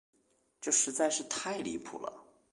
这实在是太离谱了。